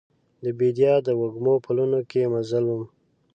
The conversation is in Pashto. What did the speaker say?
د بیدیا د وږمو پلونو کې مزل وم